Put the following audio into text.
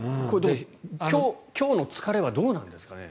今日の疲れはどうなんですかね？